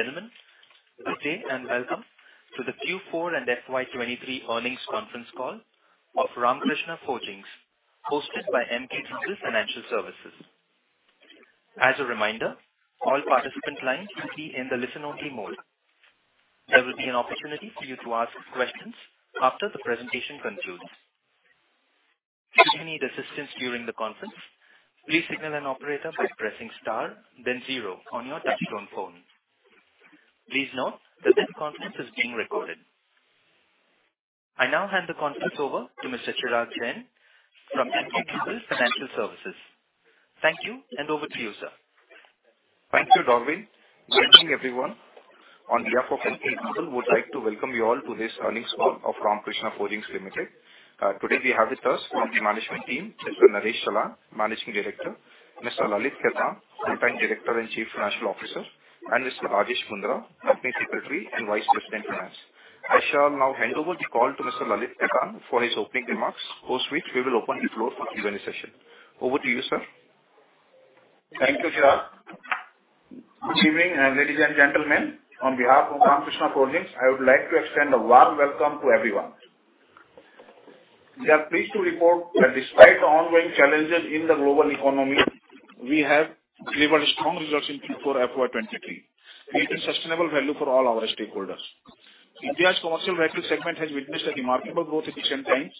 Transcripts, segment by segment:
Ladies and gentlemen, good day and welcome to the Q4 and FY23 earnings conference call of Ramkrishna Forgings, hosted by Emkay Global Financial Services. As a reminder, all participant lines will be in the listen only mode. There will be an opportunity for you to ask questions after the presentation concludes. If you need assistance during the conference, please signal an operator by pressing star then zero on your touchtone phone. Please note that this conference is being recorded. I now hand the conference over to Mr. Chirag Jain from Emkay Global Financial Services. Thank you, and over to you, sir. Thank you, Darwin. Good evening, everyone. On behalf of Emkay Global, we would like to welcome you all to this earnings call of Ramkrishna Forgings Limited. Today we have with us from the management team, Mr. Naresh Jalan, Managing Director, Mr. Lalit Khetan, Independent Director and Chief Financial Officer, and Mr. Rajesh Mundhra, Company Secretary and Vice President, Finance. I shall now hand over the call to Mr. Lalit Khetan for his opening remarks. Post which we will open the floor for Q&A session. Over to you, sir. Thank you, Chirag. Good evening, ladies and gentlemen. On behalf of Ramkrishna Forgings, I would like to extend a warm welcome to everyone. We are pleased to report that despite the ongoing challenges in the global economy, we have delivered strong results in Q4 FY23, creating sustainable value for all our stakeholders. India's commercial vehicle segment has witnessed a remarkable growth in recent times.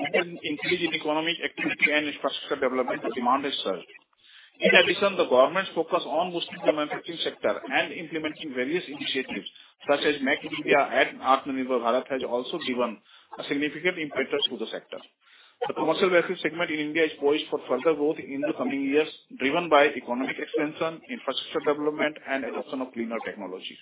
With an increase in economic activity and infrastructure development, the demand has surged. In addition, the government's focus on boosting the manufacturing sector and implementing various initiatives such as Make in India and Atmanirbhar Bharat has also given a significant impetus to the sector. The commercial vehicle segment in India is poised for further growth in the coming years, driven by economic expansion, infrastructure development, and adoption of cleaner technologies.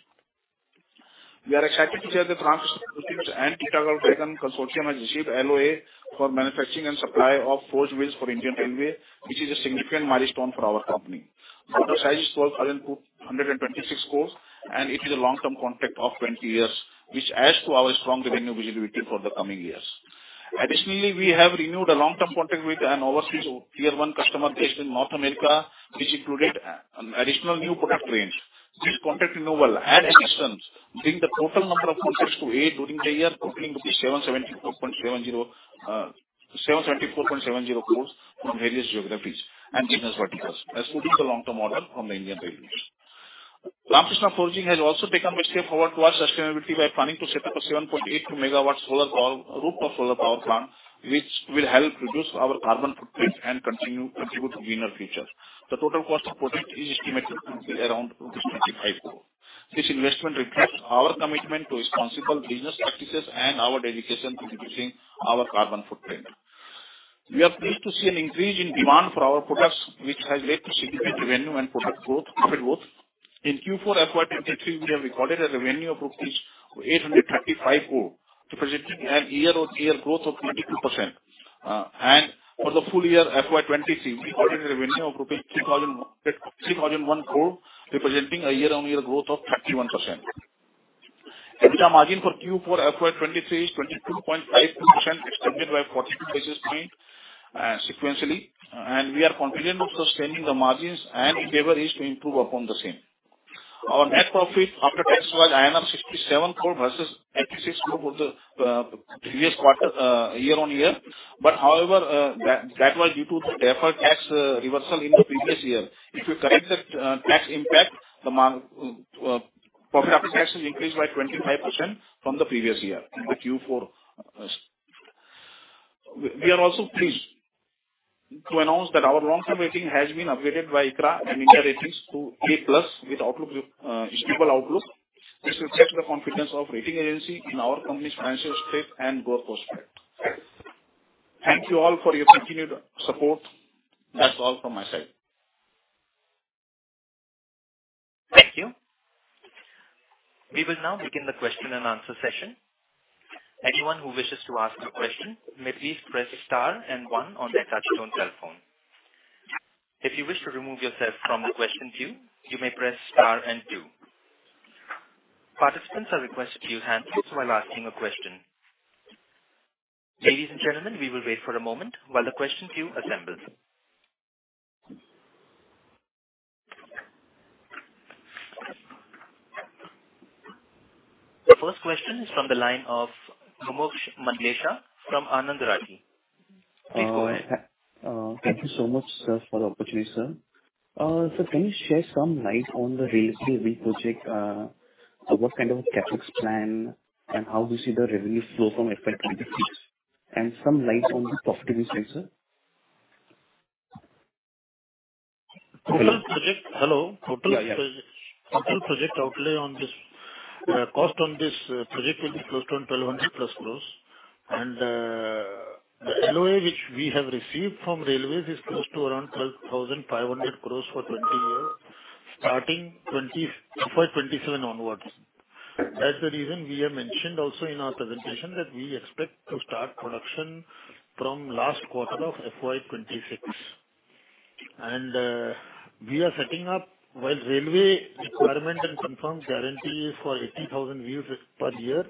We are excited to share that Ramkrishna Forgings and Titagarh Wagon consortium has received LOA for manufacturing and supply of forged wheels for Indian Railway, which is a significant milestone for our company. Order size is 12,226 crores. It is a long-term contract of 20 years which adds to our strong revenue visibility for the coming years. We have renewed a long-term contract with an overseas Tier 1 customer based in North America, which included an additional new product range. This contract renewal adds additions, bringing the total number of contracts to 8 during the year totaling 774.70 crores from various geographies and business verticals, excluding the long-term order from the Indian Railways. Ramkrishna Forgings has also taken a step forward towards sustainability by planning to set up a 7.82 MW rooftop solar power plant, which will help reduce our carbon footprint and continue contribute to greener future. The total cost of project is estimated to be around INR 25 crore. This investment reflects our commitment to responsible business practices and our dedication to reducing our carbon footprint. We are pleased to see an increase in demand for our products, which has led to significant revenue and product growth, profit growth. In Q4 FY23, we have recorded a revenue of rupees 835 crore, representing an year-on-year growth of 22%. For the full year FY23, we ordered a revenue of rupees 3,001 crore, representing a year-on-year growth of 31%. EBITDA margin for Q4 FY23 is 22.52%, expanded by 42 basis point sequentially. We are confident of sustaining the margins and endeavor is to improve upon the same. Our net profit after tax was INR 67 crore versus 86 crore for the previous quarter year-on-year. However, that was due to the deferred tax reversal in the previous year. If you correct that tax impact, the profit after tax has increased by 25% from the previous year in the Q4. We are also pleased to announce that our long-term rating has been upgraded by ICRA and India Ratings to A+ with stable outlook. This reflects the confidence of rating agency in our company's financial strength and growth prospect. Thank you all for your continued support. That's all from my side. Thank you. We will now begin the question and answer session. Anyone who wishes to ask a question may please press star and one on their touchtone telephone. If you wish to remove yourself from the question queue, you may press star and two. Participants are requested to use handset while asking a question. Ladies and gentlemen, we will wait for a moment while the question queue assembles. The first question is from the line of Mumuksh Mandlesha from Anand Rathi. Please go ahead. Thank you so much, sir, for the opportunity, sir. Sir, can you share some light on the railway wheel project? What kind of a CapEx plan and how do you see the revenue flow from FY26? Some light on the profitability side, sir. Total project- Yeah, yeah. Hello. Total project outlay on this cost on this project will be close to 1,200+ crores. The LOA which we have received from Railways is close to around 12,500 crores for 20 years, starting FY27 onwards. That's the reason we have mentioned also in our presentation that we expect to start production from last quarter of FY26. We are setting up while Railways requirement and confirmed guarantee is for 80,000 wheels per year,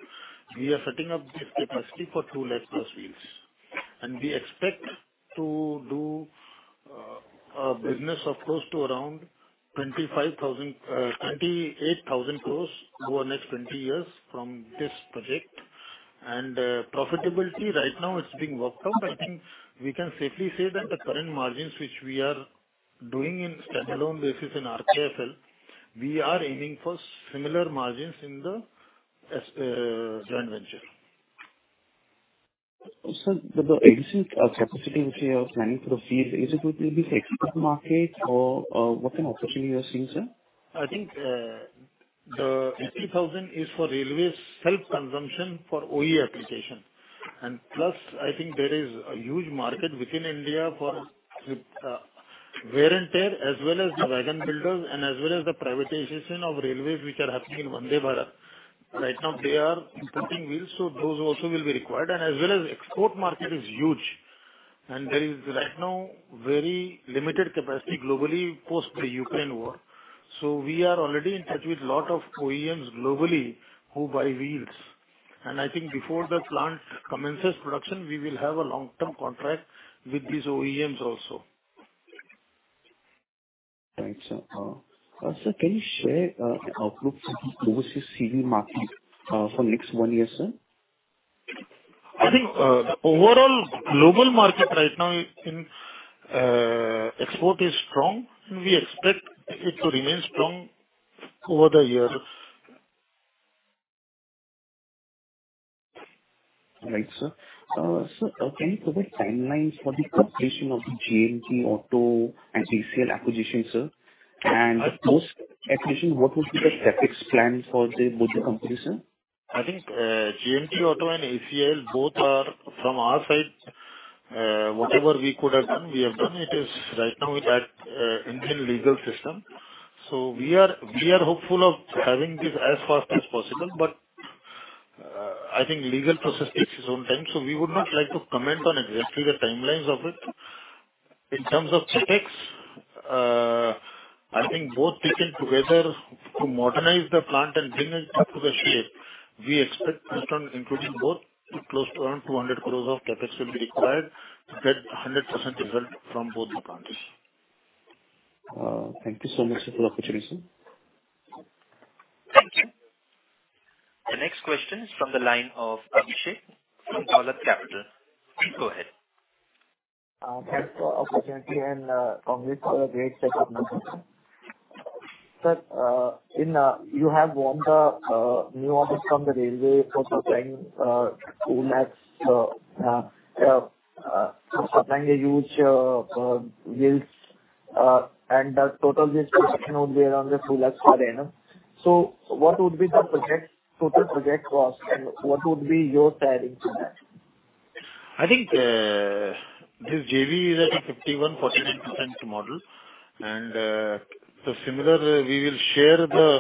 we are setting up this capacity for 2 lakh plus wheels. We expect to do business of close to around 25,000-28,000 crores over the next 20 years from this project. Profitability right now is being worked on. I think we can safely say that the current margins which we are doing in standalone basis in RKSL, we are aiming for similar margins in the joint venture. The additional capacity which you are planning to proceed, is it with maybe export market or, what kind of opportunity you are seeing, sir? I think the 50,000 is for Railways' self-consumption for OE application. Plus, I think there is a huge market within India for, with wear and tear, as well as the wagon builders and as well as the privatization of Railways which are happening in Vande Bharat. Right now they are importing wheels, so those also will be required. As well as export market is huge and there is right now very limited capacity globally post the Ukraine War. We are already in touch with lot of OEMs globally who buy wheels. I think before the plant commences production, we will have a long-term contract with these OEMs also. Thanks, sir. Sir, can you share outlook for the overseas CV market for next one year, sir? I think overall global market right now in export is strong and we expect it to remain strong over the years. All right, sir. Sir, can you provide timelines for the completion of the JMT Auto and ACIL acquisition, sir? Post-acquisition, what would be the CapEx plan for the both the company, sir? I think JMT Auto and ACIL both are from our side. Whatever we could have done, we have done. It is right now with that Indian legal system. We are hopeful of having this as fast as possible, but I think legal process takes its own time, so we would not like to comment on exactly the timelines of it. In terms of CapEx, I think both taken together to modernize the plant and bring it up to the shape, we expect, based on including both, close to around 200 crores of CapEx will be required to get a 100% result from both the parties. Thank you so much, sir, for the opportunity, sir. Thank you. The next question is from the line of Abhishek from Dolat Capital. Please go ahead. Thanks for the opportunity and congrats for the great set of numbers, sir. Sir, in you have won the new orders from the railway for supplying 2 lakhs supplying a huge wheels and the total wheel supply would be around 2 lakhs per annum. What would be the project, total project cost, and what would be your share into that? I think this JV is at a 51%-49% model. So similar, we will share the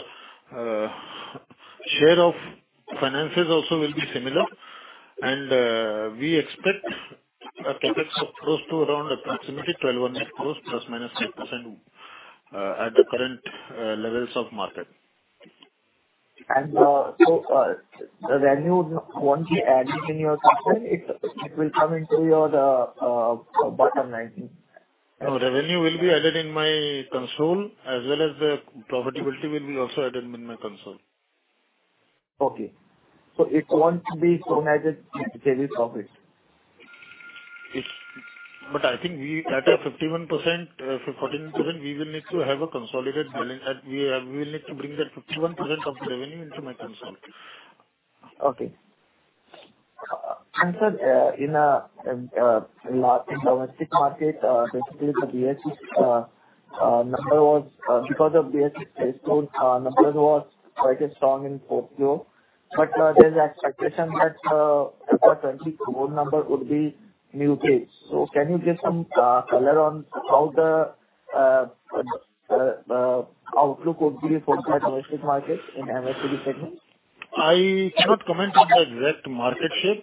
share of finances also will be similar. We expect a CapEx of close to around approximately 1,200 crores ±10% at the current levels of market. The revenue once you added in your console, it will come into your bottom line? No, revenue will be added in my console as well as the profitability will be also added in my console. Okay. It won't be shown as a JV profit. I think we, at a 51%, 49%, we will need to have a consolidated billing. We will need to bring that 51% of revenue into my console. Okay. Sir, in domestic market, basically the M&HCV number was because of base load, number was quite strong in quarter four. There's expectation that FY 2024 number would be new page. Can you give some color on how the outlook would be for domestic market in RKSL segment? I cannot comment on the exact market share.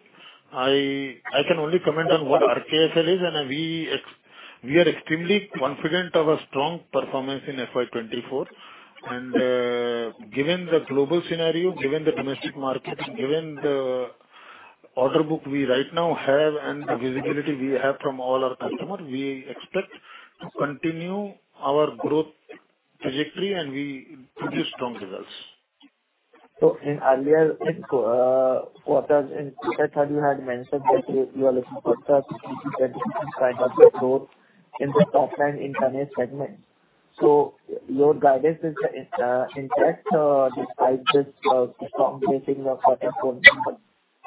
I can only comment on what RKSL is and we are extremely confident of a strong performance in FY24. Given the global scenario, given the domestic markets, given the order book we right now have and the visibility we have from all our customers, we expect to continue our growth trajectory and we produce strong results. In earlier, in quarters, in Q3 you had mentioned that you are looking for 30%-35% growth in the top line in tonnage segment. Your guidance is intact despite this strong base in the Q4 number?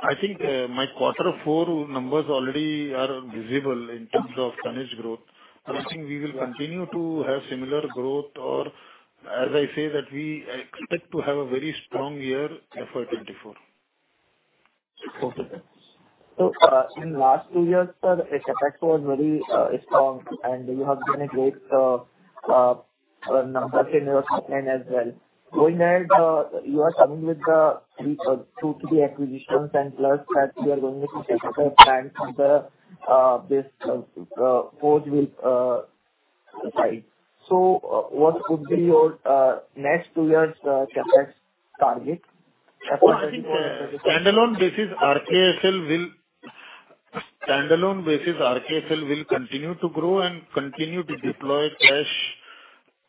I think my Q4 numbers already are visible in terms of tonnage growth. I think we will continue to have similar growth or as I say that we expect to have a very strong year, FY 2024. Okay. In last two years, sir, the CapEx was very strong and you have done great numbers in your top line as well. Going ahead, you are coming with the 2, 3 acquisitions and plus that you are going to take up the plant of the this fourth wheel site. What could be your next two years CapEx target? Standalone basis, RKFL will continue to grow and continue to deploy cash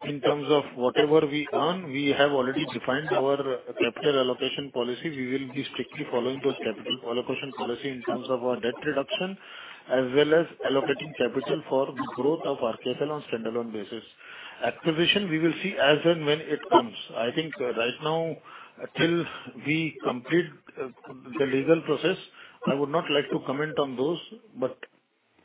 in terms of whatever we earn. We have already defined our capital allocation policy. We will be strictly following those capital allocation policy in terms of our debt reduction, as well as allocating capital for growth of RKFL on standalone basis. Acquisition, we will see as and when it comes. I think right now, till we complete the legal process, I would not like to comment on those.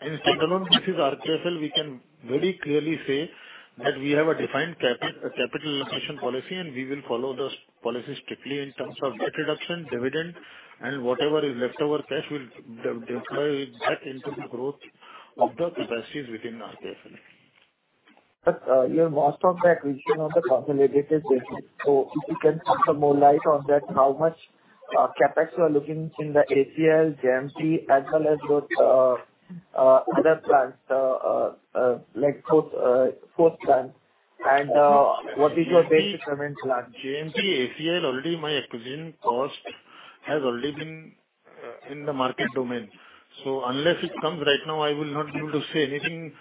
In standalone basis, RKFL, we can very clearly say that we have a defined capital allocation policy, and we will follow those policies strictly in terms of debt reduction, dividend, and whatever is leftover cash, we'll de-deploy that into the growth of the capacities within RKFL. You have most of the acquisition on the consolidated basis. If you can shed some more light on that, how much CapEx you are looking in the ACIL, JMT, as well as those other plants, like fourth plant. What is your basic payment plan? JMT, ACIL, already my acquisition cost has already been in the market domain. Unless it comes right now, I will not be able to say anything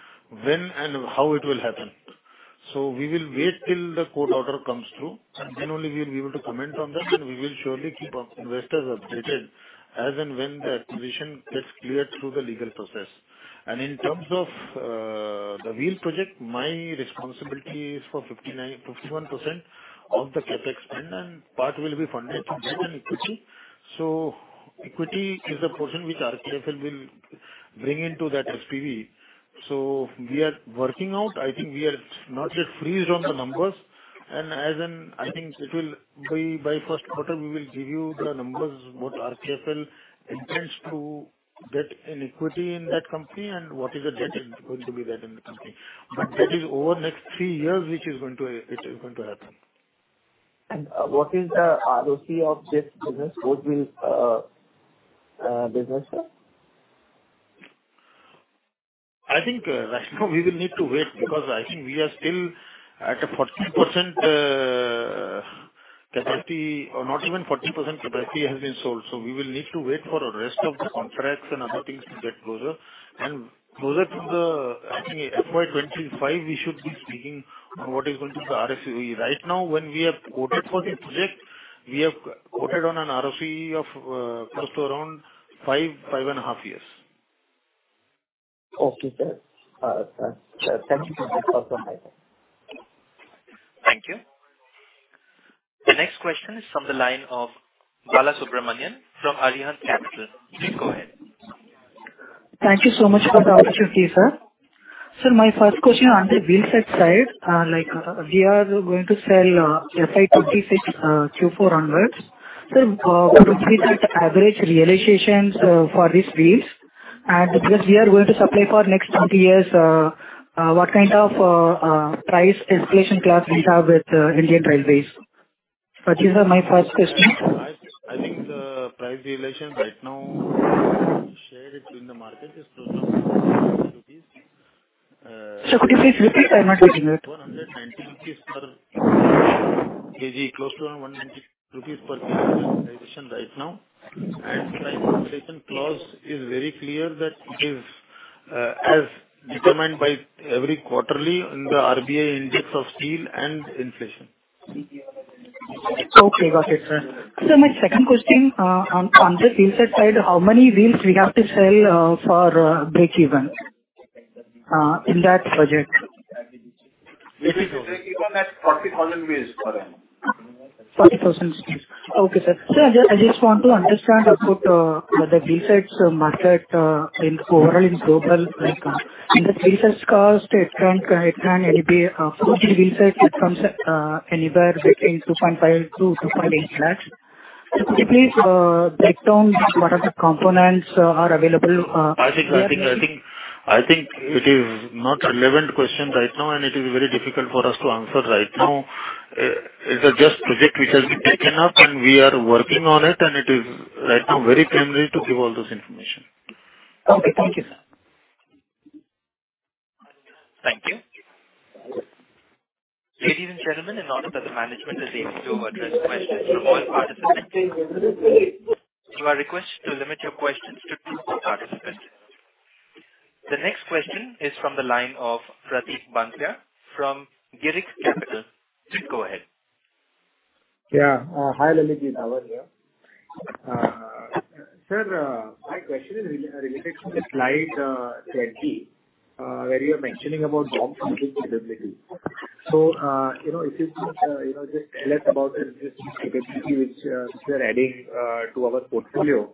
when and how it will happen. We will wait till the court order comes through, and then only we will be able to comment on that. We will surely keep our investors updated as and when the acquisition gets cleared through the legal process. In terms of the wheel project, my responsibility is for 51% of the CapEx spend, and part will be funded from debt and equity. Equity is the portion which RKFL will bring into that SPV. We are working out. I think we are not yet freezed on the numbers. As in, I think it will be by first quarter, we will give you the numbers, what RKFL intends to get in equity in that company and what is the debt going to be there in the company. That is over next three years, which is going to happen. What is the ROCE of this business, both wheels, businesses? I think, right now we will need to wait because I think we are still at a 14% capacity, or not even 14% capacity has been sold. We will need to wait for a rest of the contracts and other things to get closer. Closer to the, I think, FY 2025, we should be speaking on what is going to be the ROCE. Right now, when we have quoted for the project, we have quoted on an ROCE of, close to around 5 and a half years. Okay, sir. Thank you for the update. Thank you. The next question is from the line of Balasubramanian from Arihant Capital. Please go ahead. Thank you so much for the opportunity, sir. My first question on the wheel set side, we are going to sell FY 26 Q4 onwards. What would be the average realizations for these wheels? Because we are going to supply for next 20 years, what kind of price escalation clause we have with Indian Railways? These are my first questions. I think the price realization right now shared between the market is close to INR 190. Sir, could you please repeat? I'm not getting it. INR 190 per kg. Close to 190 rupees per kg realization right now. Price realization clause is very clear that it is as determined by every quarterly in the RBI index of steel and inflation. Okay, got it, sir. My second question, on the wheel set side, how many wheels we have to sell for breakeven in that project? We will break even at 40,000 wheels per annum. 40,000 wheels. Okay, sir. I just want to understand about the wheel sets market in overall in global. In the wheel sets cost, it can anywhere, fully wheel set, it comes anywhere between 2.5-2.8 lakhs. Could you please break down what are the components are available in that? I think it is not relevant question right now, and it is very difficult for us to answer right now. It's a just project which has been taken up and we are working on it, and it is right now very primary to give all this information. Okay. Thank you, sir. Thank you. Ladies and gentlemen, in order that the management is able to address questions from all participants, you are requested to limit your questions to two per participant. The next question is from the line of Pratik Banthia from Girik Capital. Please go ahead. Yeah. Hi, Lalit. How are you? Sir, my question is related to the slide 30 where you are mentioning about warm forging capability. You know, if you could, you know, just tell us about this capability which we are adding to our portfolio.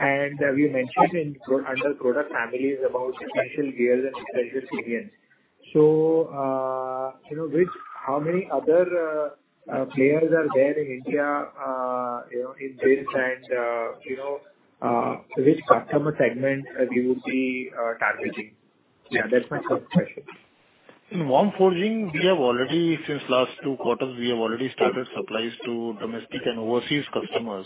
And you mentioned under product families about special gears and special bearings. You know, how many other players are there in India, you know, in this? And, you know, which customer segment you would be targeting? Yeah, that's my first question. In warm forging, we have already, since last two quarters, we have already started supplies to domestic and overseas customers.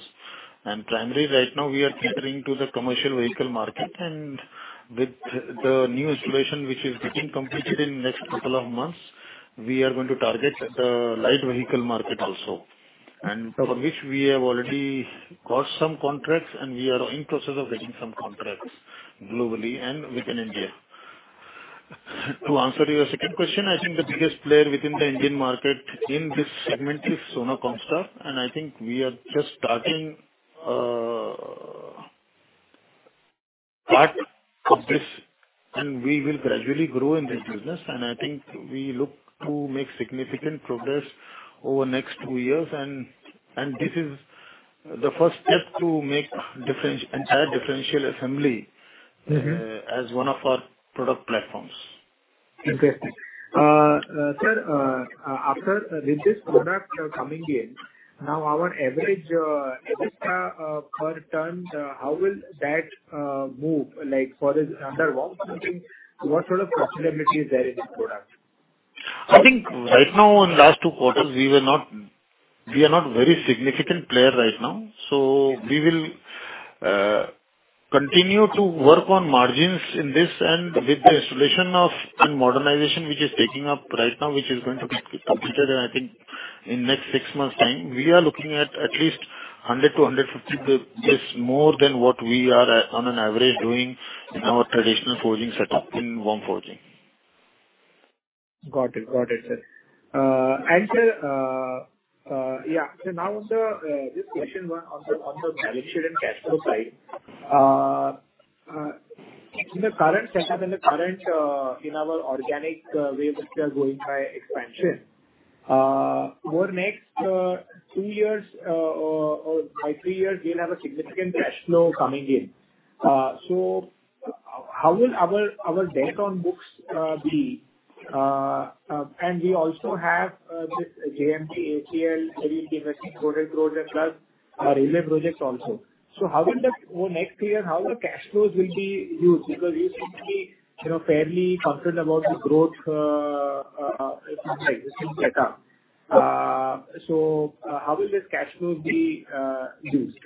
Primarily right now we are catering to the commercial vehicle market and with the new installation which is getting completed in next couple of months, we are going to target the light vehicle market also. For which we have already got some contracts and we are in process of getting some contracts globally and within India. To answer your second question, I think the biggest player within the Indian market in this segment is Sona Comstar, and I think we are just starting part of this and we will gradually grow in this business. I think we look to make significant progress over next two years and this is the first step to make entire differential assembly. Mm-hmm. as one of our product platforms. Interesting. sir, after with this product coming in, now our average EBITDA per ton, how will that move? Like, for this under warm forging, what sort of profitability is there in this product? I think right now in last two quarters, We are not very significant player right now. We will continue to work on margins in this and with the installation of and modernization which is taking up right now, which is going to be completed, I think in next six months time. We are looking at at least 100 to 150 basis more than what we are at, on an average doing in our traditional forging setup in warm forging. Got it. Got it, sir. Sir, yeah. Now on the balance sheet and cash flow side. In the current setup and the current in our organic way which we are going by expansion over next 2 years or by 3 years, we'll have a significant cash flow coming in. How will our debt on books be? And we also have this JMT ACIL heavy investing project plus our railway projects also. How will the over next year, how the cash flows will be used? Because you seem to be, you know, fairly confident about the growth side, this new setup. How will this cash flow be used?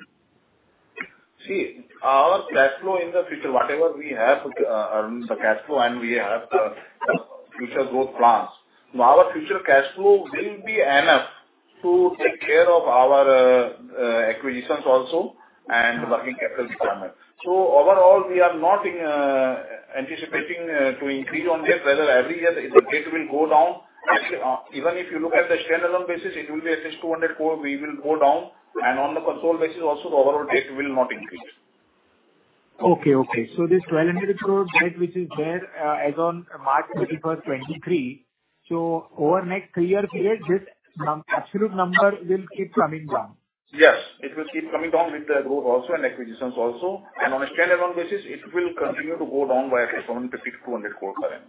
Our cash flow in the future, whatever we have, earned the cash flow and we have, future growth plans. Our future cash flow will be enough to take care of our acquisitions also and working capital requirement. Overall, we are not anticipating to increase on debt. Rather, every year the debt will go down. Even if you look at the standalone basis, it will be at least 200 crore, we will go down. On the console basis also, the overall debt will not increase. Okay. Okay. This 1,200 crore debt which is there as on March 31, 2023. Over next 3-year period, this absolute number will keep coming down. Yes, it will keep coming down with the growth also and acquisitions also. On a standalone basis, it will continue to go down by around 50 crore-200 crore per annum.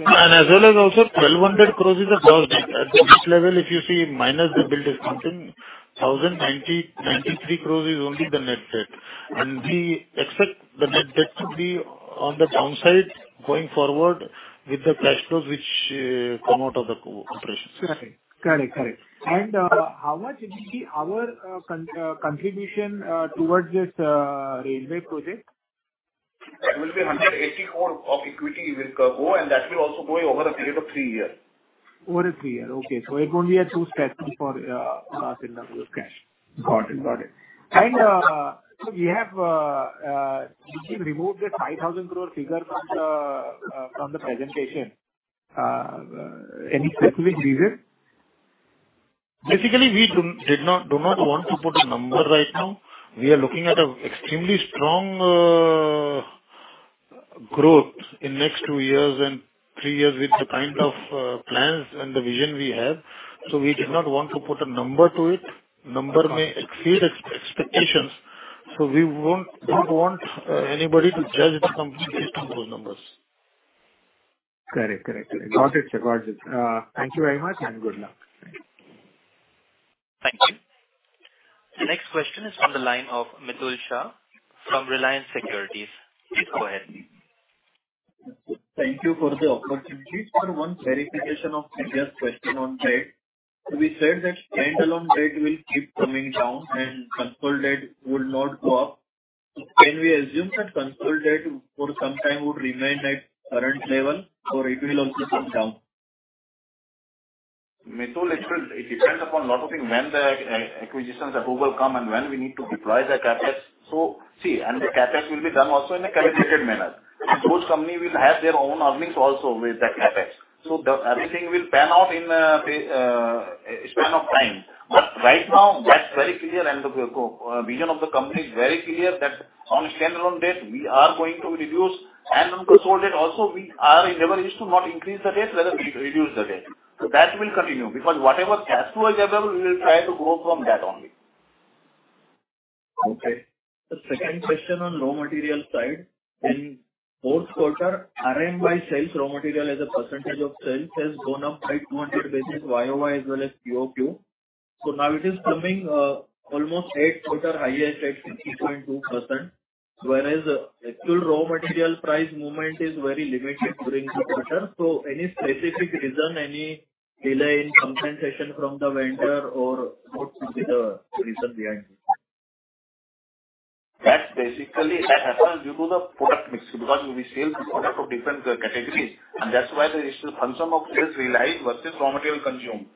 As well as also 1,200 crores is a gross debt. At this level, if you see minus the build discount, 1,093 crores is only the net debt. We expect the net debt to be on the downside going forward with the cash flows which come out of the operations. Correct. Correct. Correct. How much will be our contribution towards this railway project? That will be 180 crore of equity will go. That will also go over a period of three years. Over three years. Okay. It won't be a too stretchy for similar to this cash. Got it. Got it. We have, we removed this 5,000 crore figure from the presentation. Any specific reason? We did not want to put a number right now. We are looking at a extremely strong growth in next two years and three years with the kind of plans and the vision we have. We did not want to put a number to it. Got it. Number may exceed expectations. We don't want anybody to judge the company based on those numbers. Correct. Correct. Correct. Got it, sir. Got it. Thank you very much and good luck. Thank you. The next question is on the line of Mitul Shah from Reliance Securities. Please go ahead. Thank you for the opportunity. Sir, one verification of previous question on debt. We said that standalone debt will keep coming down and console debt will not go up. Can we assume that console debt for some time would remain at current level or it will also come down? Mitul, actually it depends upon lot of things, when the acquisitions are overcome and when we need to deploy the CapEx. See, and the CapEx will be done also in a calibrated manner. Those company will have their own earnings also with the CapEx. Everything will pan out in a span of time. Right now that's very clear and the vision of the company is very clear that on standalone debt we are going to reduce and on console debt also we are in a race to not increase the debt, rather we reduce the debt. That will continue because whatever cash flow is available, we will try to grow from that only. Okay. The second question on raw material side. In fourth quarter, RM by sales, raw material as a percentage of sales has gone up by 200 basis YOY as well as QOQ. Now it is coming almost 8 quarter highest at 60.2%. Whereas actual raw material price movement is very limited during this quarter. Any specific reason, any delay in compensation from the vendor, or what could be the reason behind this? That basically happens due to the product mix because we sell products of different categories and that's why there is the consumption of sales realized versus raw material consumed.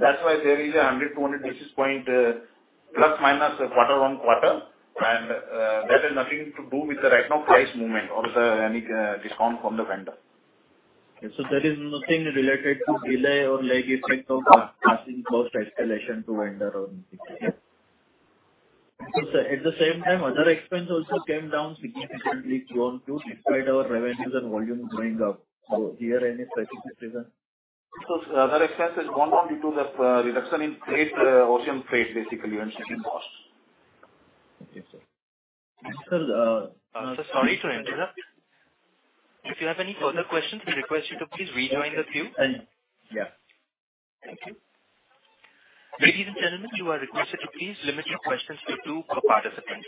That's why there is a 100-200 basis point plus minus quarter-on-quarter. That has nothing to do with the right now price movement or the any discount from the vendor. Okay. There is nothing related to delay or lag effect of passing cost escalation to vendor or anything. Yes. At the same time, other expense also came down significantly quarter-on-two despite our revenues and volume going up. Here any specific reason? Other expense has gone down due to the reduction in freight, ocean freight basically and shipping cost. Okay, sir. Sir, Sorry to interrupt. If you have any further questions, we request you to please rejoin the queue. Yeah. Thank you. Ladies and gentlemen, you are requested to please limit your questions to two per participant.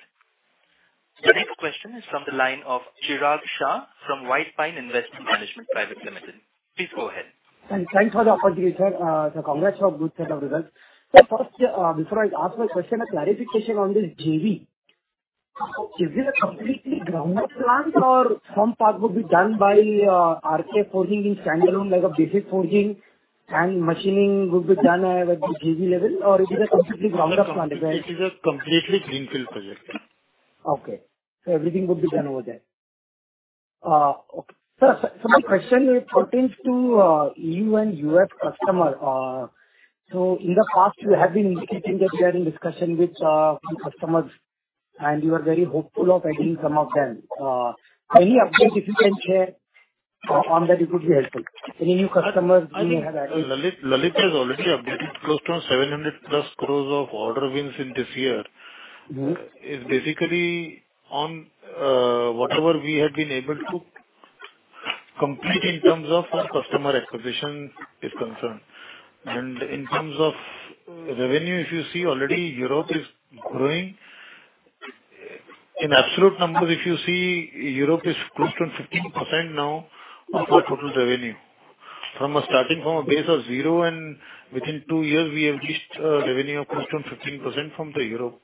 The next question is from the line of Chirag Shah from White Pine Investment Management Private Limited. Please go ahead. Thanks for the opportunity, sir. Congrats for good set of results. First, before I ask my question, a clarification on this JV. Is it a completely ground-up plant or some part would be done by Ramkrishna Forgings in standalone, like a basic forging and machining would be done at the JV level or it is a completely ground-up plant? It is a completely greenfield project. Okay. Everything would be done over there. Okay. Sir, my question pertains to E.U. and U.S. customer. In the past you have been indicating that you are in discussion with some customers and you are very hopeful of adding some of them. Any update if you can share on that it would be helpful. Any new customers you may have added? I mean, Lalit has already updated close to 700+ crores of order wins in this year. Mm-hmm. Is basically on, whatever we have been able to complete in terms of customer acquisition is concerned. In terms of revenue, if you see already Europe is growing. In absolute numbers if you see, Europe is close to 15% now of our total revenue. From a starting from a base of 0 and within two years we have reached a revenue of close to 15% from the Europe.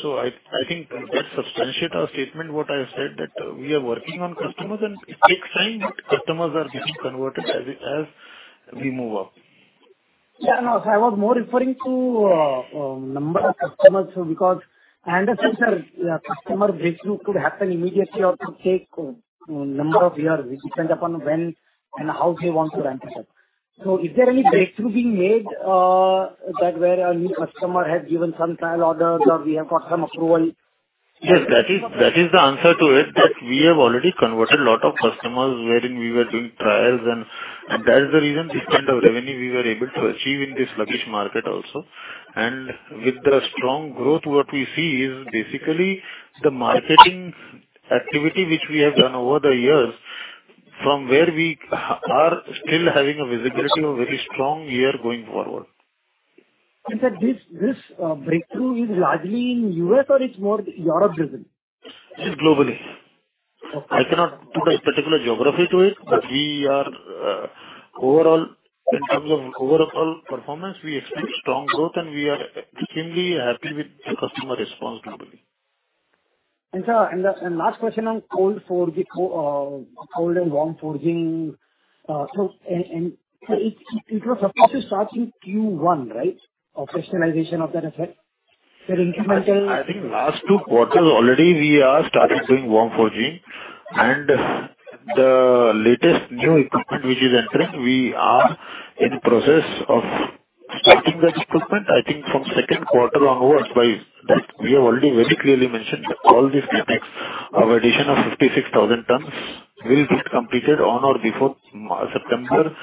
I think that substantiate our statement, what I said that we are working on customers and it takes time, but customers are getting converted as we move up. Yeah, no. I was more referring to number of customers because I understand, sir, customer breakthrough could happen immediately or could take a number of years. It depends upon when and how they want to ramp it up. Is there any breakthrough being made that where a new customer has given some trial orders or we have got some approval? Yes, that is the answer to it, that we have already converted lot of customers wherein we were doing trials and that is the reason this kind of revenue we were able to achieve in this sluggish market also. With the strong growth, what we see is basically the marketing activity which we have done over the years from where we are still having a visibility of very strong year going forward. Sir, this breakthrough is largely in U.S. or it's more Europe-based? It is globally. Okay. I cannot put a particular geography to it, but we are, overall in terms of overall performance, we expect strong growth, and we are extremely happy with the customer response globally. Sir, the last question on cold forging, cold and warm forging. So, it was supposed to start in Q1, right? Professionalization of that effect. The incremental- I think last two quarters already we are started doing warm forging and the latest new equipment which is entering, we are in process of starting that equipment, I think from second quarter onwards by that. We have already very clearly mentioned that all these CapEx, our addition of 56,000 tons will get completed on or before September.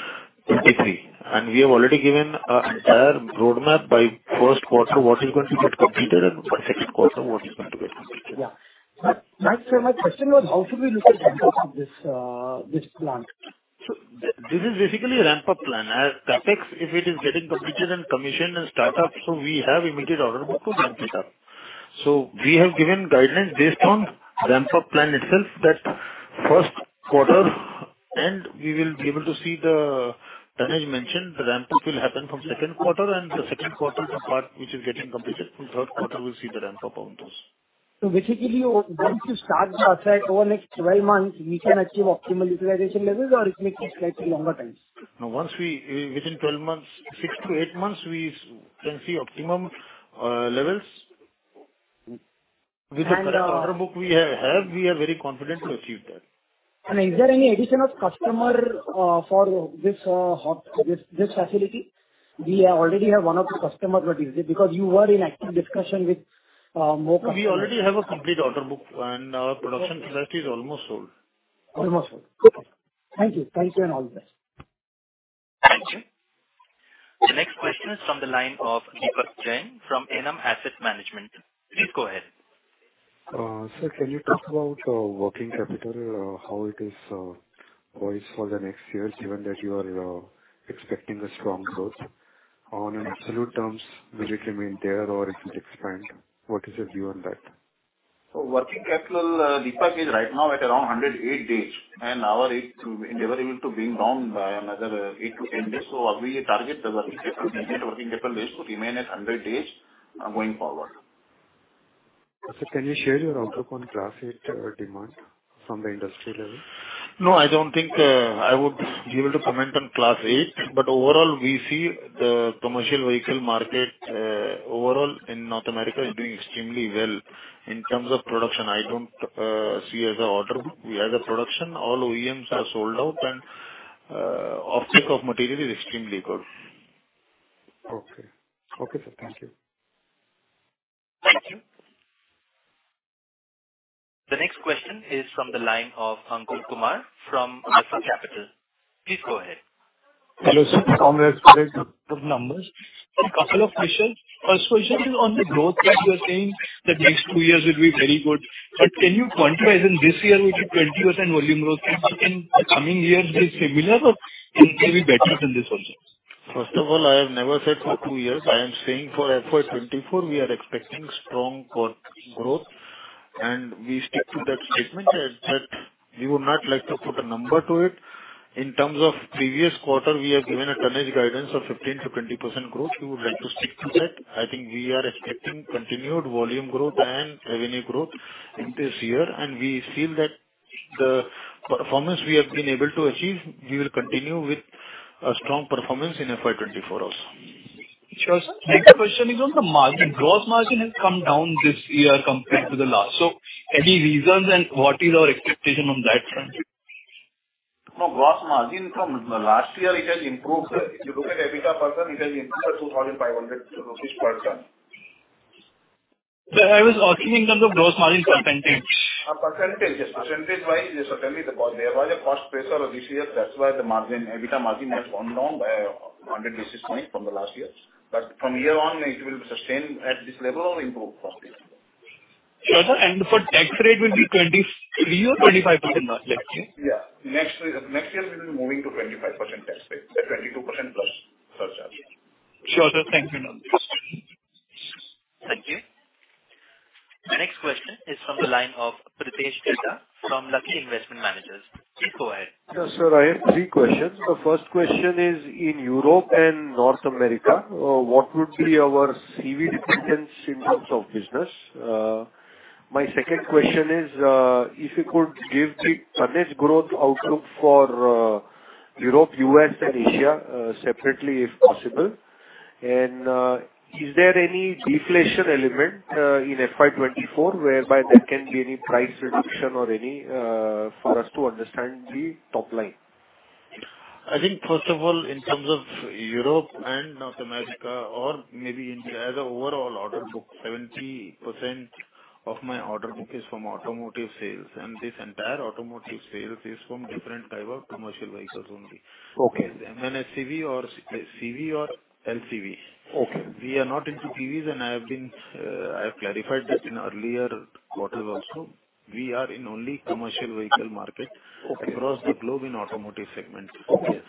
We have already given a entire roadmap by first quarter what is going to get completed and by second quarter what is going to get completed. Yeah. My sir, my question was how should we look at ramp-up of this plant? This is basically a ramp-up plan. As CapEx, if it is getting completed and commissioned and start up, we have immediate order book to ramp it up. We have given guidance based on ramp-up plan itself that first quarter and we will be able to see. As you mentioned, the ramp-up will happen from second quarter and the second quarter the part which is getting completed, from third quarter we'll see the ramp-up on those. Basically once you start the effect over next 12 months, we can achieve optimal utilization levels or it may take slightly longer time? No, once we, within 12 months, 6-8 months, we can see optimum, levels. And, uh- With the current order book we have, we are very confident to achieve that. Is there any addition of customer for this facility? We already have one of the customers, but is it because you were in active discussion with more customers? We already have a complete order book and our production capacity is almost sold. Almost sold. Okay. Thank you. Thank you and all the best. Thank you. The next question is from the line of Deepak Jain from ENAM Asset Management. Please go ahead. Sir, can you talk about working capital, how it is poised for the next years given that you are expecting a strong growth? On absolute terms, will it remain there or it will expand? What is your view on that? Working capital, Deepak is right now at around 108 days and our eight endeavor is to bring down by another 8-10 days. We target the working capital, net working capital days to remain at 100 days, going forward. Sir, can you share your outlook on Class 8 demand from the industry level? I don't think I would be able to comment on Class 8, but overall, we see the commercial vehicle market overall in North America is doing extremely well in terms of production. I don't see as a order book. As a production, all OEMs are sold out and off take of material is extremely good. Okay. Okay, sir. Thank you. Thank you. The next question is from the line of Ankur Kumar from Alpha Capital. Please go ahead. Hello, sir. Strong numbers. A couple of questions. First question is on the growth that you are saying that next two years will be very good. Can you quantify then this year with the 20% volume growth in the coming years be similar or can it be better than this also? First of all, I have never said for two years. I am saying for FY 2024 we are expecting strong growth. We stick to that statement. As said, we would not like to put a number to it. In terms of previous quarter, we have given a tonnage guidance of 15%-20% growth. We would like to stick to that. I think we are expecting continued volume growth and revenue growth in this year. We feel that the performance we have been able to achieve, we will continue with a strong performance in FY 2024 also. Sure, sir. Next question is on the margin. Gross margin has come down this year compared to the last. Any reasons and what is your expectation on that front? No gross margin from last year it has improved. If you look at EBITDA percent, it has improved to INR 2,500 per ton. Sir, I was asking in terms of gross margin percentage. percentage. Yes. Percentage-wise, certainly there was a cost pressure this year. That's why the margin, EBITDA margin has gone down by 100 basis point from the last year. From here on, it will sustain at this level or improve from this. Sure, sir. For tax rate will be 23% or 25% roughly? Yeah. Next year we will be moving to 25% tax rate. 22% plus or charge. Sure, sir. Thank you. Thank you. The next question is from the line of Pritesh Mehta from Laxmi Investment Managers. Please go ahead. Yes, sir. I have three questions. The first question is in Europe and North America, what would be our CV dependence in terms of business? My second question is, if you could give the tonnage growth outlook for Europe, US and Asia, separately if possible. Is there any deflation element in FY 2024 whereby there can be any price reduction or any, for us to understand the top line? I think first of all, in terms of Europe and North America or maybe India as a overall order book, 70% of my order book is from automotive sales and this entire automotive sales is from different type of commercial vehicles only. Okay. When a CV or LCV. Okay. We are not into TVs. I have clarified that in earlier quarters also. We are in only commercial vehicle market. Okay. Across the globe in automotive segment. Okay.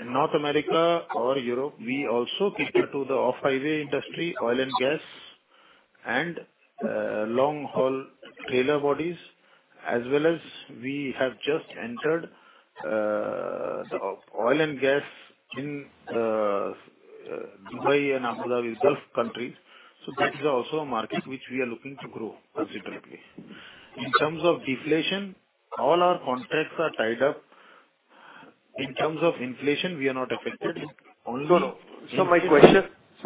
In North America or Europe, we also cater to the off-highway industry, oil and gas and long-haul trailer bodies as well as we have just entered the oil and gas in Dubai and Abu Dhabi Gulf countries. That is also a market which we are looking to grow considerably. In terms of deflation, all our contracts are tied up. In terms of inflation, we are not affected.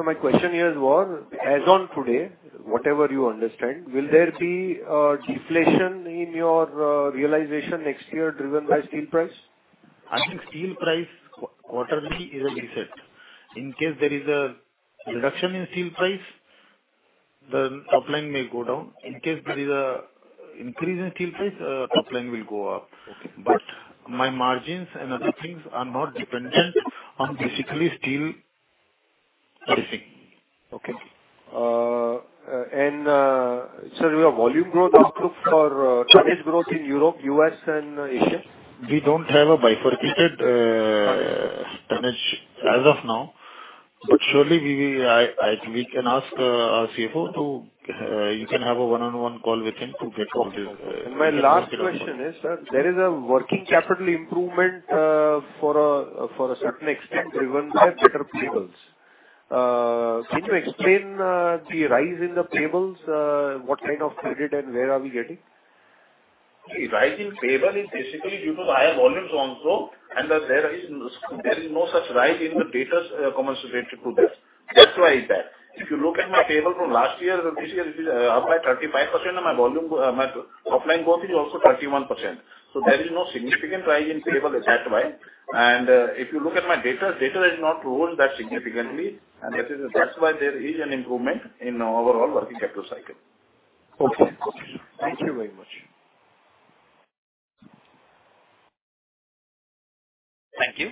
My question here was as on today, whatever you understand, will there be a deflation in your realization next year driven by steel price? I think steel price quarterly is a reset. In case there is a reduction in steel price, the top line may go down. In case there is a increase in steel price, top line will go up. Okay. My margins and other things are not dependent on basically steel pricing. Okay. sir, your volume growth outlook for tonnage growth in Europe, US and Asia? We don't have a bifurcated tonnage as of now. Surely we can ask our CFO to you can have a one-on-one call with him to get all the. My last question is, sir, there is a working capital improvement, for a certain extent driven by better payables. Can you explain the rise in the payables, what kind of credit and where are we getting? The rise in payable is basically due to the higher volumes also there is no such rise in the debtors commensurate to this. That's why it's there. If you look at my payable from last year to this year, it is up by 35% and my volume, my top line growth is also 31%. There is no significant rise in payable. That's why. If you look at my debtors, debtor has not grown that significantly. That's why there is an improvement in overall working capital cycle. Okay. Thank you very much. Thank you.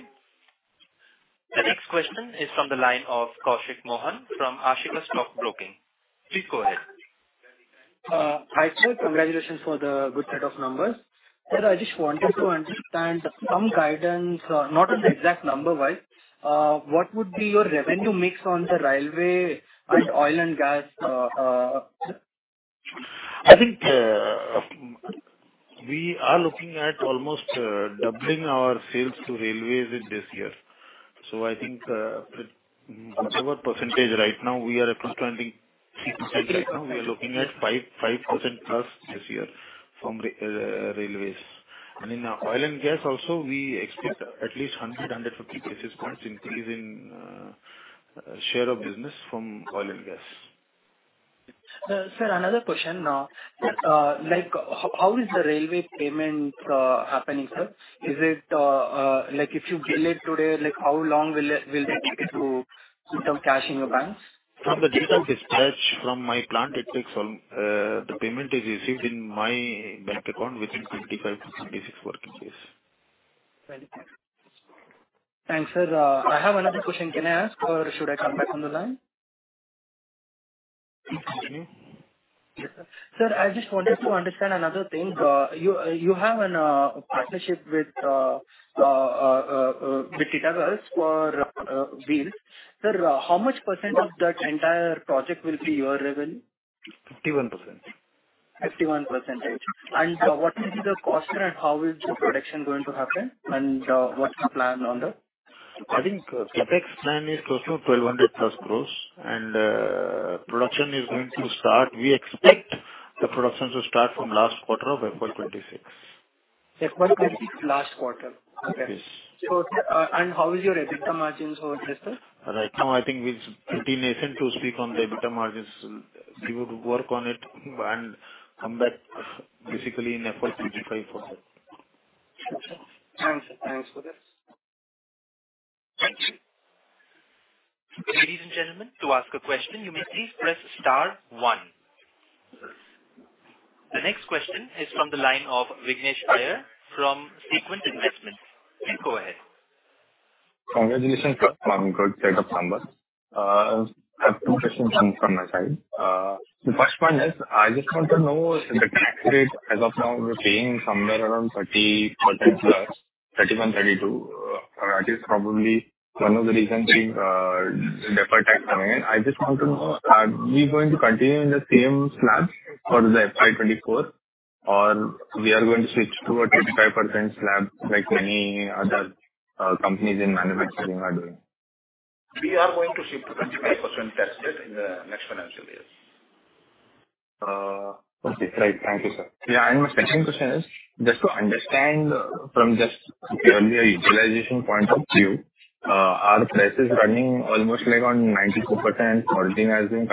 The next question is from the line of Koushik Mohan from Ashika Stock Broking. Please go ahead. Hi, sir. Congratulations for the good set of numbers. Sir, I just wanted to understand some guidance, not on the exact number why. What would be your revenue mix on the railway and oil and gas? I think, we are looking at almost doubling our sales to railway with this year. I think, with whatever percentage right now we are approximately right now we are looking at 5%+ this year from railways. In oil and gas also, we expect at least 150 basis points increase in share of business from oil and gas. Sir, another question. Like, how is the railway payments happening, sir? Is it, like, if you bill it today, like, how long will they take it to put some cash in your banks? From the date of dispatch from my plant, it takes, the payment is received in my bank account within 55 to 66 working days. Thank you. Thanks, sir. I have another question. Can I ask, or should I come back on the line? Mm-hmm. Yes, sir. Sir, I just wanted to understand another thing. You have an partnership with Tata Motors for wheels. Sir, how much percent of that entire project will be your revenue? 51%. 51%. What will be the cost, and how is the production going to happen, and what's your plan on that? I think CapEx plan is close to 1,200+ crores and production is going to start. We expect the production to start from last quarter of FY 2026. FY 26 last quarter. Yes. Okay. sir, how is your EBITDA margins hold here, sir? Right now, I think it's pretty nascent to speak on the EBITDA margins. We would work on it and come back basically in FY 25 for that. Okay. Thanks, sir. Thanks for this. Thank you. Ladies and gentlemen, to ask a question, you may please press star one. The next question is from the line of Vignesh Iyer from Sequent Investment. Please go ahead. Congratulations on good set of numbers. I have 2 questions from my side. The first one is I just want to know the tax rate as of now we're paying somewhere around 30%+, 31%, 32%. That is probably one of the reasons being deferred tax coming in. I just want to know, are we going to continue in the same slab for the FY 2024, or we are going to switch to a 25% slab like many other companies in manufacturing are doing? We are going to shift to 25% tax rate in the next financial year. Okay. Great. Thank you, sir. Yeah, my second question is just to understand from just purely a utilization point of view, our press is running almost like on 94%. Molding has been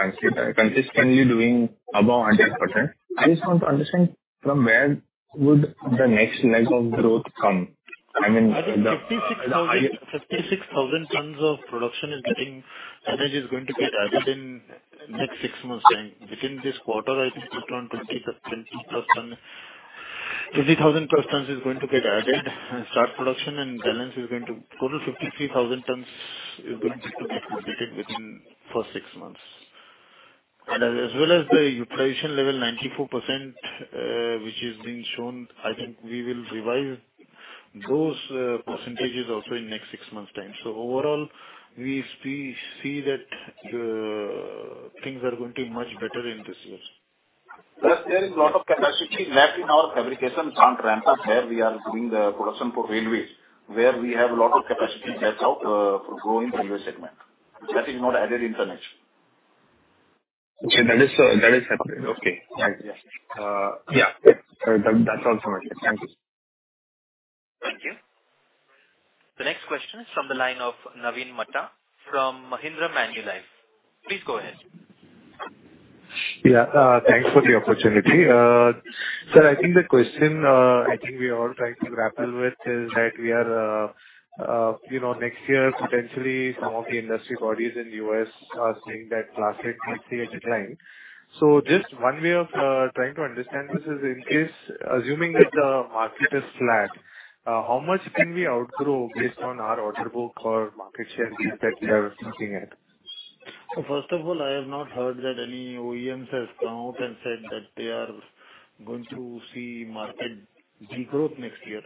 consistently doing above 100%. I just want to understand from where would the next leg of growth come? 56,000 tons of production is going to get added in next 6 months time. Between this quarter, I think around 20,000+ tons is going to get added and start production. Total 53,000 tons is going to get completed within first 6 months. As well as the utilization level 94%, which is being shown, I think we will revise those percentages also in next 6 months time. Overall, we see that things are going to be much better in this year. Plus there is lot of capacity left in our fabrication plant ramps up, where we are doing the production for Railways, where we have a lot of capacity that's out, for growing railway segment. That is not added in tonnage. Okay. That is, that is separate. Okay. Right. Yeah. Yeah. That's all from my side. Thank you. Thank you. The next question is from the line of Navin Matta from Mahindra Manulife. Please go ahead. Yeah. Thanks for the opportunity. Sir, I think the question, I think we all try to grapple with is that we are, you know, next year, potentially some of the industry bodies in the U.S. are saying that Class 8 could see a decline. Just one way of trying to understand this is in case, assuming that the market is flat, how much can we outgrow based on our order book or market share that we are looking at? First of all, I have not heard that any OEMs have come out and said that they are going to see market degrowth next year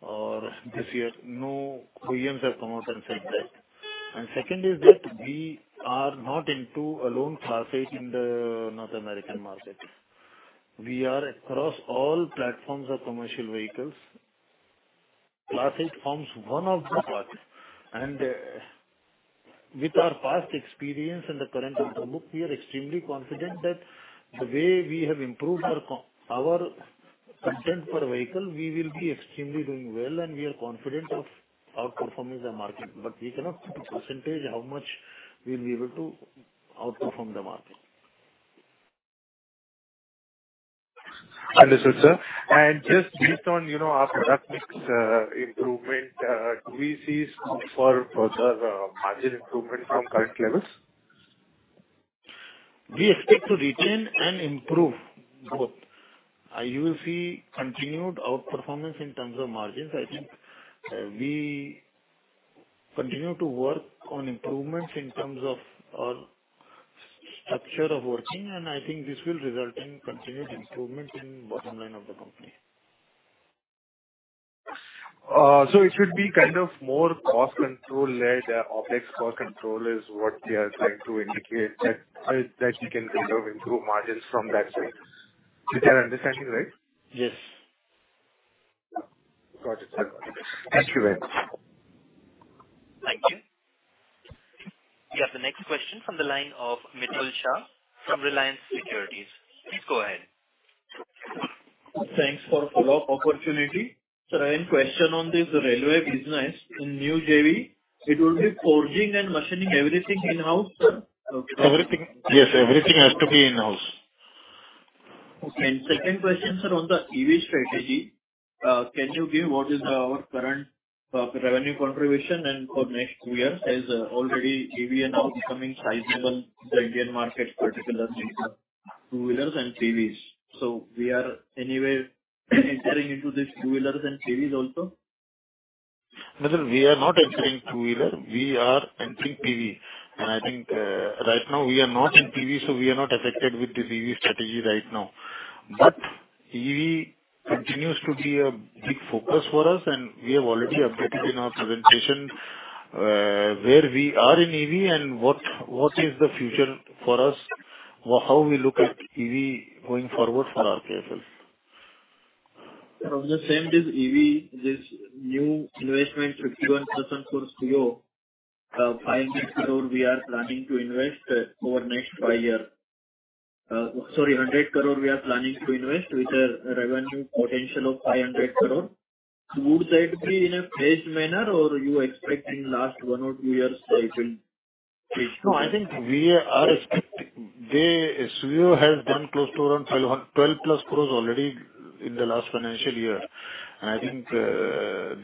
or this year. No OEMs have come out and said that. Second is that we are not into alone Class 8 in the North American market. We are across all platforms of commercial vehicles. Class 8 forms one of the parts. With our past experience and the current order book, we are extremely confident that the way we have improved our content per vehicle, we will be extremely doing well, and we are confident of outperforming the market. We cannot put a percentage how much we'll be able to outperform the market. Understood, sir. Just based on, you know, our product mix, improvement, do we see scope for further margin improvement from current levels? We expect to retain and improve growth. You will see continued outperformance in terms of margins. I think, we continue to work on improvements in terms of our structure of working, and I think this will result in continued improvement in bottom line of the company. It should be kind of more cost control led, OpEx cost control is what they are trying to indicate that you can kind of improve margins from that side. Is that understanding, right? Yes. Got it. Thank it very much. Thank you. We have the next question from the line of Mitul Shah from Reliance Securities. Please go ahead. Thanks for the opportunity. Sir, I have a question on this railway business. In new JV, it will be forging and machining everything in-house, sir? Everything. Yes, everything has to be in-house. Okay. Second question, sir, on the EV strategy, can you give what is our current revenue contribution and for next two years as already EV are now becoming sizable in the Indian market, particularly in terms of two-wheelers and TVs? We are anyway entering into this two-wheelers and TVs also. Mitul, we are not entering two-wheeler, we are entering 2W. I think right now we are not in 2W, we are not affected with this EV strategy right now. EV continues to be a big focus for us, we have already updated in our presentation, where we are in EV and what is the future for us, how we look at EV going forward for RKFL. From the same days EV, this new investment 51% for TSUYO, 500 crore we are planning to invest over next five year. Sorry, 100 crore we are planning to invest with a revenue potential of 500 crore. Would that be in a phased manner or are you expecting last one or two years it will reach? No, I think we are expecting. TSUYO has done close to around 12 plus crores already in the last financial year. I think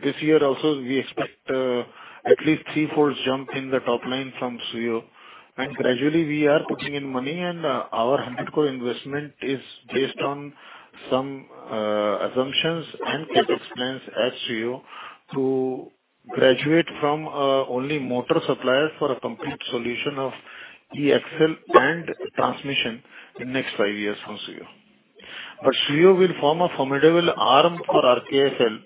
this year also we expect at least 3-fold jump in the top line from TSUYO. Gradually we are putting in money and our 100 crore investment is based on some assumptions and CapEx at TSUYO to graduate from only motor supplier for a complete solution of e-Axle and transmission in next 5 years from TSUYO. TSUYO will form a formidable arm for RKFL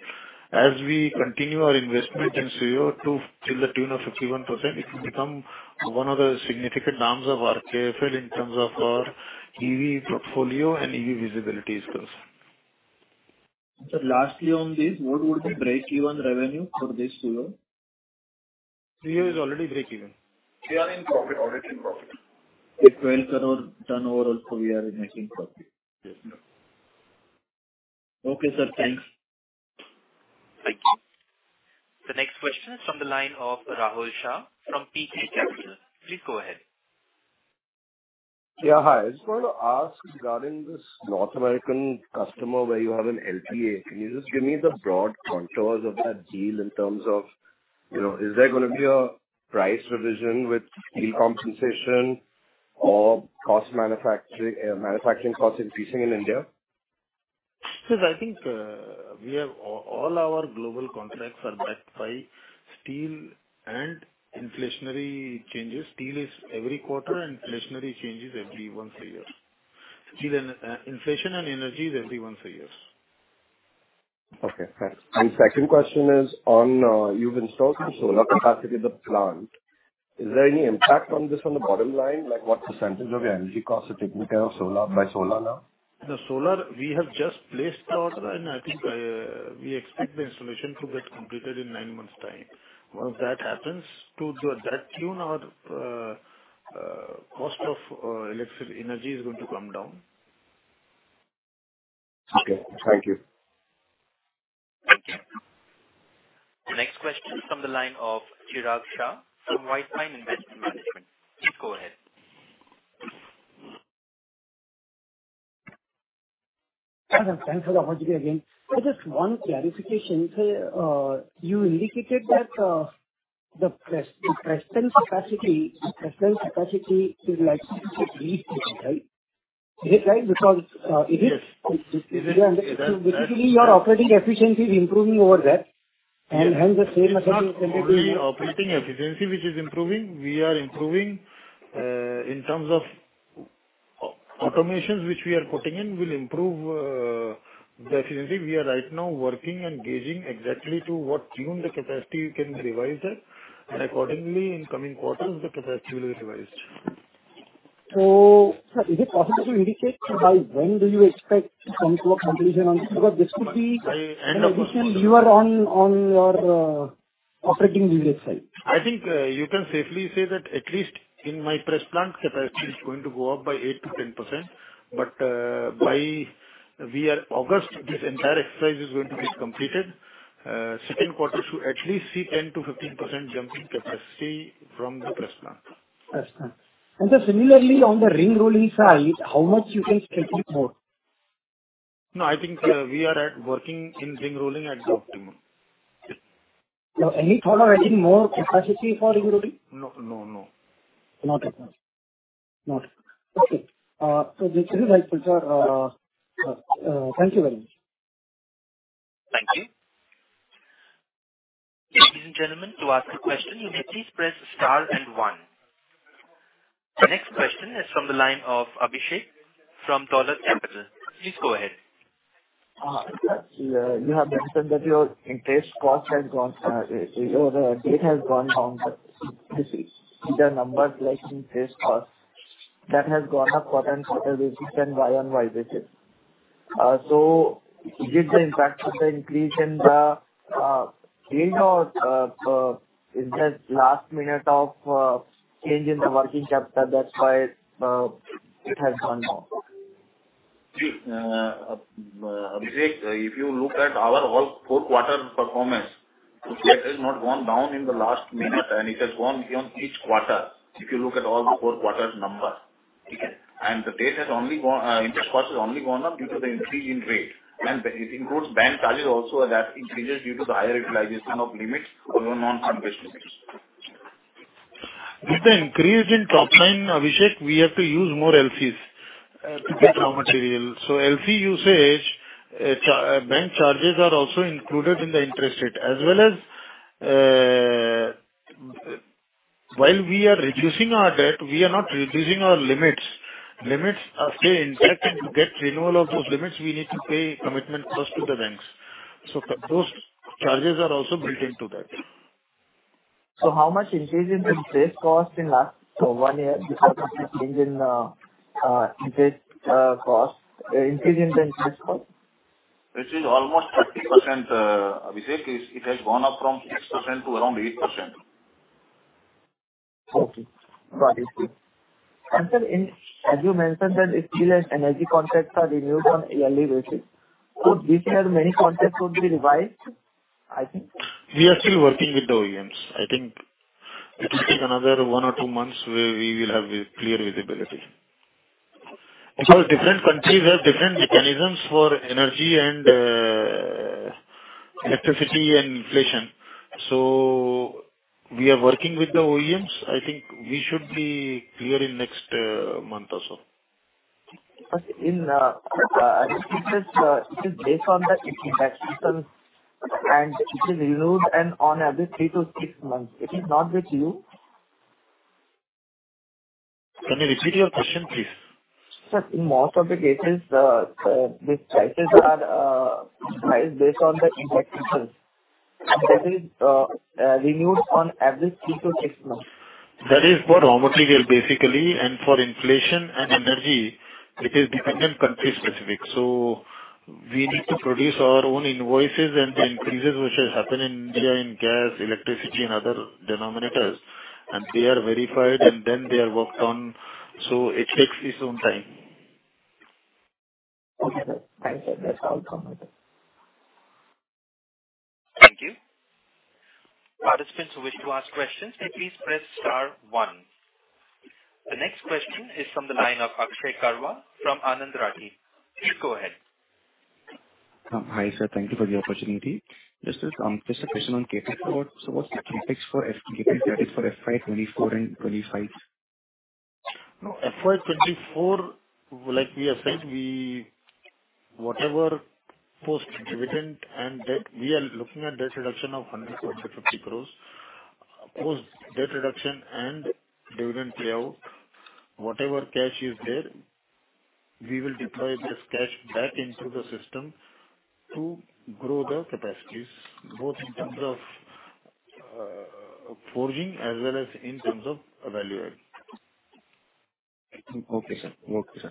as we continue our investment in TSUYO to till the tune of 51%, it will become one of the significant arms of RKFL in terms of our EV portfolio and EV visibility as well. Sir, lastly on this, what would be break-even revenue for this TSUYO? TSUYO is already break-even. We are in profit, already in profit. With 12 crore turnover also we are making profit. Yes. Okay, sir. Thanks. Thank you. The next question is from the line of Rahul Shah from PK Capital. Please go ahead. Yeah, hi. I just want to ask regarding this North American customer where you have an LPA. Can you just give me the broad contours of that deal in terms of, you know, is there gonna be a price revision with steel compensation or manufacturing costs increasing in India? Since I think, we have all our global contracts are backed by steel and inflationary changes. Steel is every quarter and inflationary changes every once a year. Steel and, inflation and energy is every once a year. Okay, thanks. Second question is on, you've installed some solar capacity at the plant. Is there any impact on this on the bottom line? Like what's the percentage of your energy cost that you take care of solar, by solar now? The solar, we have just placed the order, I think, we expect the installation to get completed in 9 months' time. Once that happens, to the, that tune our cost of electric energy is going to come down. Okay. Thank you. Thank you. The next question is from the line of Chirag Shah from White Pine Investment Management. Please go ahead. Hello. Thanks for the opportunity again. Sir, just one clarification. Sir, you indicated that the pressing capacity is like 58 million tons. Is it right? Because. Yes. Basically, your operating efficiency is improving over that. Hence the same- It's not only operating efficiency which is improving. We are improving in terms of automations which we are putting in will improve the efficiency. We are right now working and gauging exactly to what tune the capacity we can revise that. Accordingly, in coming quarters, the capacity will be revised. Sir, is it possible to indicate by when do you expect some sort of completion on this? Because this could be an addition lever on your operating leverage side. I think, you can safely say that at least in my press plant, capacity is going to go up by 8%-10%. By via August, this entire exercise is going to get completed. Second quarter should at least see 10%-15% jump in capacity from the press plant. Press plant. Sir similarly on the ring rolling side, how much you can expect more? No, I think, we are at working in ring rolling at the optimum. Yes. Any thought of adding more capacity for ring rolling? No, no. Not at present. Not at present. Okay. This will be helpful, sir. Thank you very much. Thank you. Ladies and gentlemen, to ask a question, you may please press star and one. The next question is from the line of Abhishek from Dolat Capital. Please go ahead. Sir, you have mentioned that your interest cost has gone, your debt has gone down. This is the numbers like interest cost that has gone up quarter-on-quarter basis and why on basis. Is it the impact of the increase in the rate or is this last minute of change in the working capital, that's why it has gone up? Abhishek, if you look at our whole four quarter performance, debt has not gone down in the last minute, and it has gone down each quarter, if you look at all the four quarters number. Interest cost has only gone up due to the increase in rate. It includes bank charges also that increases due to the higher utilization of limits over non-investment. With the increase in top line, Abhishek, we have to use more LCs to get raw material. LC usage, bank charges are also included in the interest rate as well as, while we are reducing our debt, we are not reducing our limits. Limits are same. To get renewal of those limits, we need to pay commitment first to the banks. Those charges are also built into that. How much increase in interest cost in last one year because of the change in interest cost, increase in the interest cost? Which is almost 30%, Abhishek. It has gone up from 6% to around 8%. Okay. Got it. sir, As you mentioned that steel and energy contracts are renewed on yearly basis. this year many contracts will be revised, I think. We are still working with the OEMs. I think it will take another one or two months where we will have the clear visibility. Different countries have different mechanisms for energy and electricity and inflation. We are working with the OEMs. I think we should be clear in next month or so. In it is based on the index itself and it is renewed and on every three to six months. It is not with you? Can you repeat your question, please? Sir, in most of the cases, these prices are priced based on the index itself. That is renewed on every three to six months. That is for raw material basically, and for inflation and energy it is dependent country specific. We need to produce our own invoices and the increases which has happened in India in gas, electricity and other denominators and they are verified and then they are worked on. It takes its own time. Okay, sir. Thank you. That's all from my end. Thank you. Participants who wish to ask questions may please press star one. The next question is from the line of Akshay Karwa from Anand Rathi. Please go ahead. Hi sir. Thank you for the opportunity. Just a question on CapEx. What's the CapEx for FY, that is for FY 2024 and 2025? No, FY 2024, like we assigned, whatever post dividend and debt, we are looking at debt reduction of 100 quarter 50 crores. Post debt reduction and dividend payout, whatever cash is there, we will deploy this cash back into the system to grow the capacities, both in terms of forging as well as in terms of value add. Okay, sir. Okay, sir.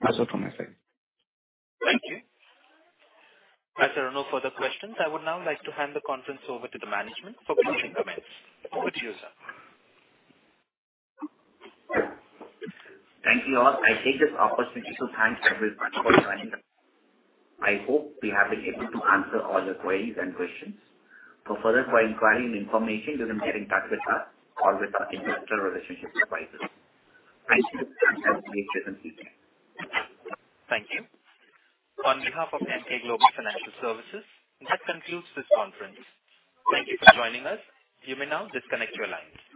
That's all from my side. Thank you. As there are no further questions, I would now like to hand the conference over to the management for closing comments. Over to you, sir. Thank you all. I take this opportunity to thank everyone for joining. I hope we have been able to answer all your queries and questions. For further inquiry and information, you can get in touch with us or with our industrial relationship providers. Thank you Thank you. On behalf of Emkay Global Financial Services, that concludes this conference. Thank you for joining us. You may now disconnect your lines.